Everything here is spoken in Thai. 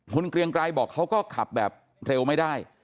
คุณเกรียงไกรบอกเขาก็ขับแบบเร็วไม่ได้